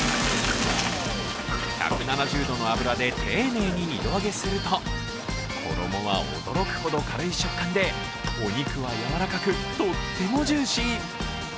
１７０度の油で丁寧に二度揚げすると衣は驚くほど軽い食感でお肉はやわらかく、とってもジューシー。